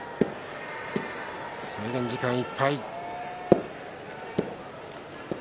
制限時間いっぱい。